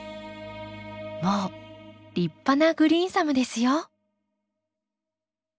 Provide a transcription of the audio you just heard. もう立派なグリーンサムですよ。